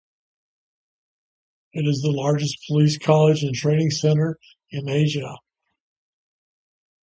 It is the largest police college and training center in Asia.